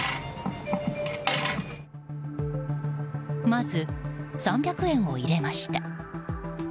まず３００円を入れました。